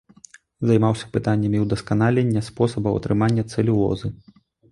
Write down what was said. Займаўся пытаннямі ўдасканалення спосабаў атрымання цэлюлозы.